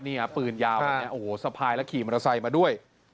นี่ปืนยาวสะพายและขี่มอเตอร์ไซต์มาด้วย